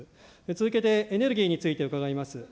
続けて、エネルギーについて伺います。